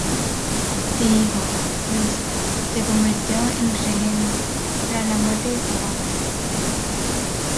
Su hijo, Luis, se convirtió en regente tras la muerte de su padre.